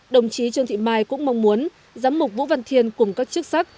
đồng chí trương thị mai cũng mong muốn giám mục vũ văn thiên cùng các chức sắc